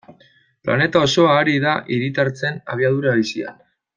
Planeta osoa ari da hiritartzen abiadura bizian.